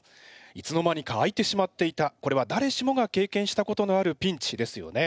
いつの間にか開いてしまっていたこれはだれしもが経験したことのあるピンチですよね。